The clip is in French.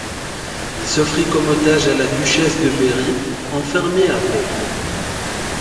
Il s'offrit comme otage à la duchesse de Berry, enfermée à Blaye.